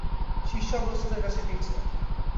শিষ্য আবার ওস্তাদের কাছে ফিরছে।